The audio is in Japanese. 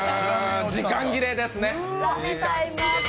時間切れですね。